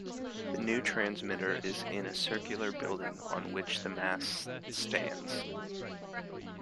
The new transmitter is in a circular building on which the mast stands.